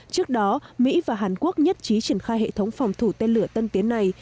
trước đó mỹ và hàn quốc nhất trí triển khai hệ thống phòng thủ tên lửa tân tiến này